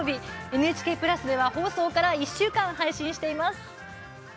ＮＨＫプラスでは放送から１週間配信しています。